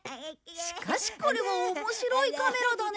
しかしこれも面白いカメラだね。